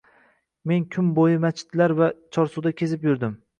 Men kun bo‘yi masjidlar va Chorsuda kezib yurdim.